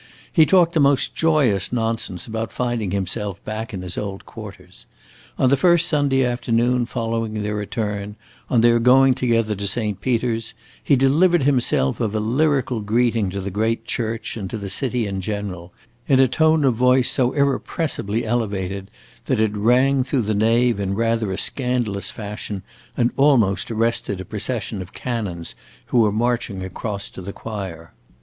He talked the most joyous nonsense about finding himself back in his old quarters. On the first Sunday afternoon following their return, on their going together to Saint Peter's, he delivered himself of a lyrical greeting to the great church and to the city in general, in a tone of voice so irrepressibly elevated that it rang through the nave in rather a scandalous fashion, and almost arrested a procession of canons who were marching across to the choir.